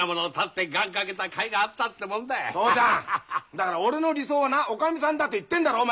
だから俺の理想はなおかみさんだって言ってんだろ前から！